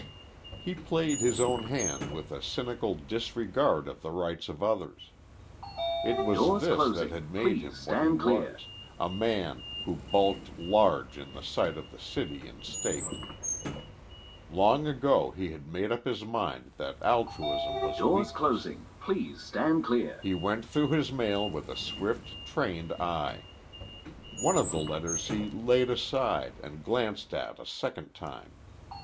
He played his own hand with a cynical disregard of the rights of others. It was this that had made him what he was, a man who bulked large in the sight of the city and state. Long ago he had made up his mind that altruism was weakness. He went through his mail with a swift, trained eye. One of the letters he laid aside and glanced at a second time.